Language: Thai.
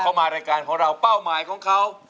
เขามารายการของเราเป้าหมายของเขา